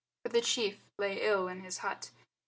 For the chief lay ill in his hut.